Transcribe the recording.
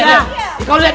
orang dia diem aja